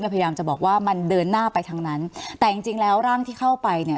พยายามจะบอกว่ามันเดินหน้าไปทางนั้นแต่จริงจริงแล้วร่างที่เข้าไปเนี่ย